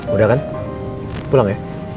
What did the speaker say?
udah kan pulang ya